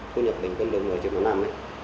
thu nhập bình quân đầu người trên một năm